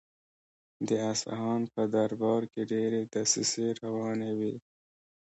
د اصفهان په دربار کې ډېرې دسیسې روانې وې.